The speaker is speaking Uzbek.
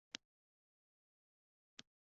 Bundan keyin biz o'gay bo'lamizmi?